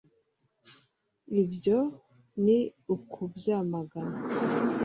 ibyo ni ukubyamagana